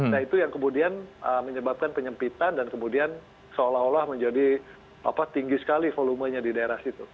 nah itu yang kemudian menyebabkan penyempitan dan kemudian seolah olah menjadi tinggi sekali volumenya di daerah situ